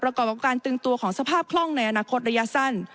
ประกอบกับการตึงตัวของสภาพคล่องในอนาคตระยะสั้น